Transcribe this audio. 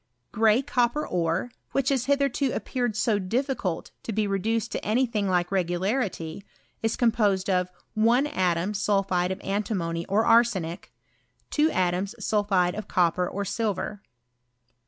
| Gray copper ore, which has hitherto appeared so difficult to be reduced to any thing like regularity, ' in composed of ' 1 atom sulphide of antimony or arsenic 2 atoms sulphide of copper or silver.